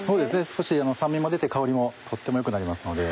少し酸味も出て香りもとっても良くなりますので。